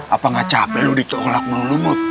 apa gak capek lu ditolak melulu mut